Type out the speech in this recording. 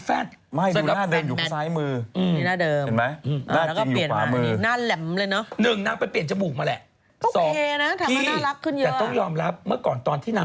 ซานิเหล่าอยากจะหน้าเป็นสัน